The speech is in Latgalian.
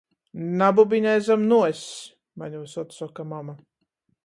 "Nabubinej zam nuoss!" maņ vysod soka mama.